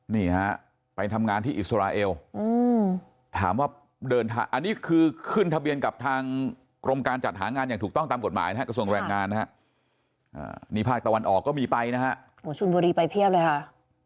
นี่ฮะไปทำงานที่อิสราเอลอันนี้คือขึ้นทะเบียนกับทางกรมการจัดหางานอย่างถูกต้องตามกฎหมายนะฮะกระทรวงแรงงานนะฮะ